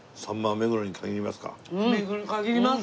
目黒に限ります。